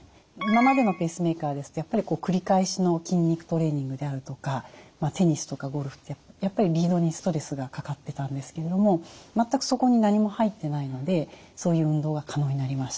今までのペースメーカーですとやっぱり繰り返しの筋肉トレーニングであるとかテニスとかゴルフってやっぱりリードにストレスがかかってたんですけれども全くそこに何も入ってないのでそういう運動が可能になりました。